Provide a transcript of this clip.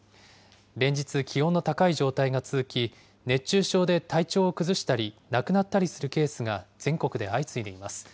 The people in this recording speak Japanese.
連日、気温の高い状態が続き、熱中症で体調を崩したり、亡くなったりするケースが全国で相次いでいます。